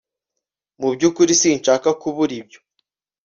mu byukuri sinshaka kubura ibyo